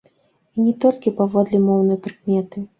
І не толькі паводле моўнай прыкметы.